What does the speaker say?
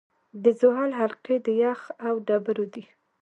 د زحل حلقې د یخ او ډبرو دي.